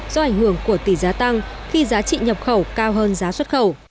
do ảnh hưởng của tỷ giá tăng khi giá trị nhập khẩu cao hơn giá xuất khẩu